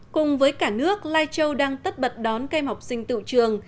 cùng với cả nước lai châu đang tất bật đón cây mọc sinh tự trường